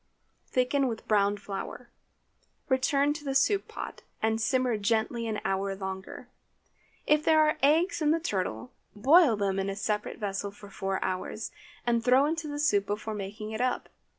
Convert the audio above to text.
Thicken with browned flour; return to the soup pot, and simmer gently an hour longer. If there are eggs in the turtle, boil them in a separate vessel for four hours, and throw into the soup before taking it up.